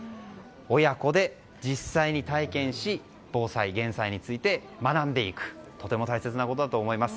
親子で実際に体験し防災・減災について学んでいくとても大切なことだと思います。